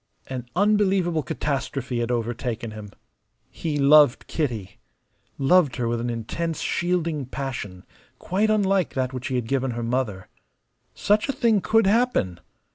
An unbelievable catastrophe had overtaken him. He loved Kitty, loved her with an intense, shielding passion, quite unlike that which he had given her mother. Such a thing could happen!